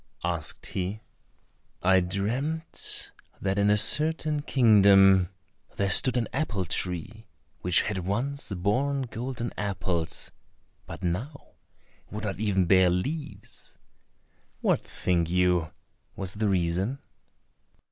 asked he. "I dreamt that in a certain kingdom there stood an apple tree which had once borne golden apples, but now would not even bear leaves. What, think you, was the reason?"